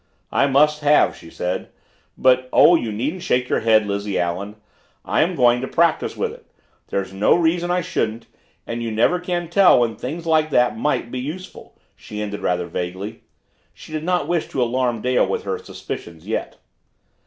"I must have," she said. "But oh, you needn't shake your head, Lizzie Allen I am going to practice with it. There's no reason I shouldn't and you never can tell when things like that might be useful," she ended rather vaguely. She did not wish to alarm Dale with her suspicions yet.